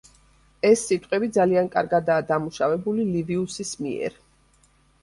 ეს სიტყვები ძალიან კარგადაა დამუშავებული ლივიუსის მიერ.